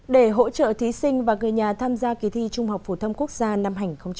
để hỗ trợ thí sinh và người nhà tham gia kỳ thi trung học phổ thông quốc gia năm hai nghìn một mươi chín